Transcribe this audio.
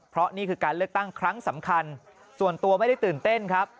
เพราะนี่คือการเลือกตั้งครั้งสำคัญส่วนตัวไม่ได้ตื่นเต้นครับ